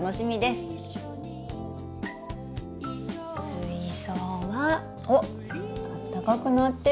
水槽はおっあったかくなってる。